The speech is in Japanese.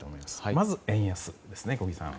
まず、円安ですね。